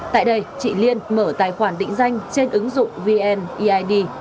tại đây chị liên mở tài khoản định danh trên ứng dụng vn eid